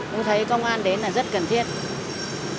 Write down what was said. tôi thấy công an đến là rất cần thiết